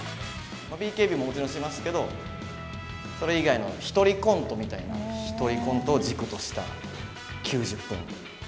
ＢＫＢももちろんしますけど、それ以外の１人コントみたいな、１人コントを軸とした９０分。